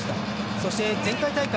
そして、前回大会